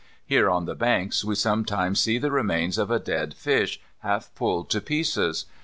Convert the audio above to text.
Here on the banks we sometimes see the remains of a dead fish half pulled to pieces.